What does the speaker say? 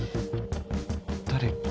誰？